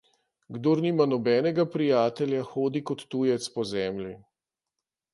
Kdor nima nobenega prijatelja, hodi kot tujec po zemlji.